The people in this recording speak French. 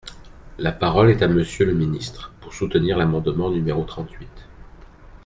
La parole est à Monsieur le ministre, pour soutenir l’amendement numéro trente-huit.